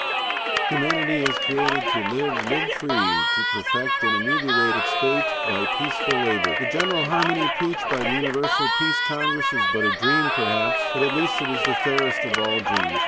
"Humanity is created to live, to live free, to perfect and ameliorate its fate by peaceful labor. The general harmony preached by the Universal Peace Congress is but a dream perhaps, but at least it is the fairest of all dreams.